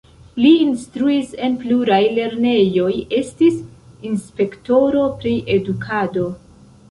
Li instruis en pluraj lernejoj, estis inspektoro pri edukado.